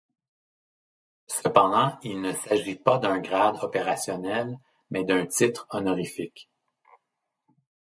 Cependant, il ne s'agit pas d'un grade opérationnel mais d'un titre honorifique.